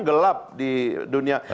gelap di dunia